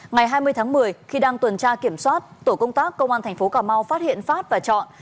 ngày hai mươi tháng một mươi khi đang tuần tra kiểm soát tổ công tác công an thành phố cà mau phát hiện phát và trọn